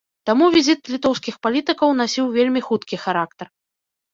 Таму візіт літоўскіх палітыкаў насіў вельмі хуткі характар.